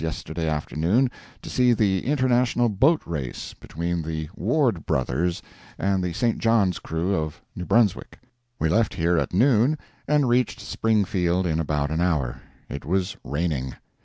yesterday afternoon, to see the "International boat race" between the Ward brothers and the "St. Johns" crew, of New Brunswick. We left here at noon, and reached Springfield in about an hour. It was raining.